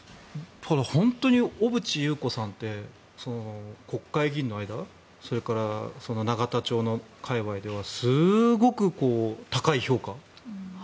本当に小渕優子さんって国会議員の間それから永田町の界わいではすごく高い評価。